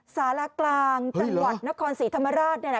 สารากลางจังหวัดนครศรีธรรมราช